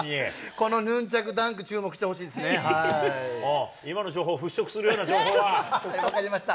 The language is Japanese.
このヌンチャクダンク注目し今の情報、払拭するような情分かりました。